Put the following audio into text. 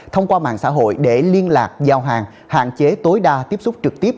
thông qua mạng xã hội để liên lạc giao hàng hạn chế tối đa tiếp xúc trực tiếp